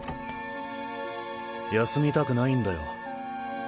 休みたくないんだよ。